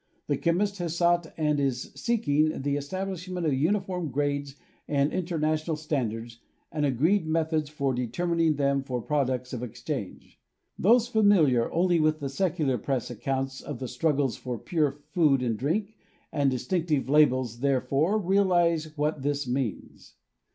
The chemist has sought and is seek ing the establishment of uniform grades and international standards and agreed methods for determining them for products of exchange. Those familiar only with the secu lar press accounts of the struggles for pure food and drink and distinctive labels therefor realize what this means.